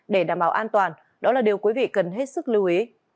để đảm bảo an toàn đó là điều quý vị cần hết sức lưu ý